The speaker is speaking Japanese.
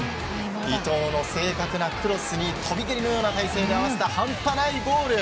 伊東の正確なクロスに飛び蹴りのような体勢で合わせた半端ないゴール。